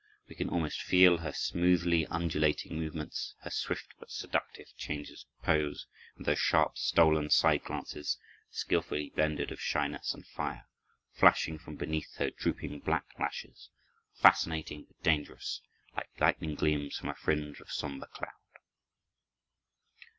We can almost feel her smoothly undulating movements, her swift, but seductive, changes of pose, and those sharp, stolen side glances, skilfully blended of shyness and fire, flashing from beneath her drooping black lashes, fascinating, but dangerous, like lightning gleams from a fringe of somber cloud.